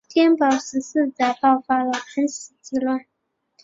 天宝十四载爆发了安史之乱。